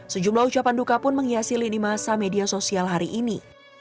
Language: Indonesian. sejumlah ucapan duka pun menghiasi lini masa media sosial hari ini